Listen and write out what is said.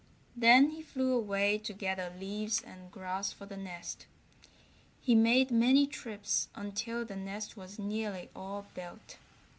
Then he flew away to gather leaves and grass for the nest. He made many trips until the nest was nearly all built.